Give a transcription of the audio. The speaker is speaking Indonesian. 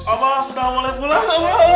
amah sudah boleh pulang